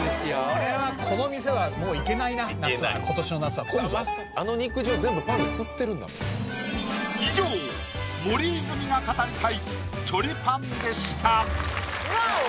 これはこの店はもう行けないな夏は今年の夏は混んじゃうあの肉汁全部パンで吸ってるんだもん以上森泉が語りたいチョリパンでしたワオ！